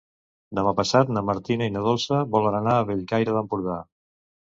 Demà passat na Martina i na Dolça volen anar a Bellcaire d'Empordà.